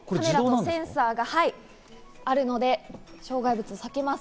センサーがあるので、障害物を避けます。